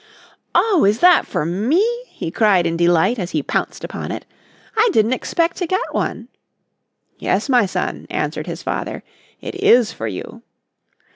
"Oh, is that for me?" he cried in delight as he pounced upon it. "I didn't expect to get one." "Yes, my son," answered his father, "it is for you."